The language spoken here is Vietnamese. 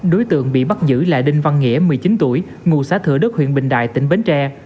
đối tượng bị bắt giữ là đinh văn nghĩa một mươi chín tuổi ngụ xã thừa đức huyện bình đại tỉnh bến tre